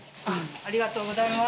ありがとうございます